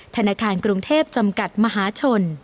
ธนาคารกรุงเทพจำกัดมหาชน